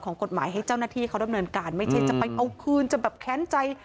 ของกฎหมายให้เจ้าหน้าที่เขาดำเนินการไม่ใช่จะไปเอาคืนจะแบบแค้นใจ